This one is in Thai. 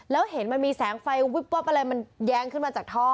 แล้วเห็นมันมีแสงไฟวิบวับอะไรมันแย้งขึ้นมาจากท่อ